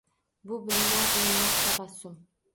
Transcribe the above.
Bu bilinar-bilinmas tabassum.